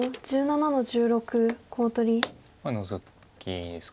まあノゾキですか。